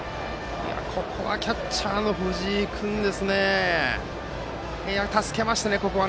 ここはキャッチャーの藤井君が助けましたね、ここは。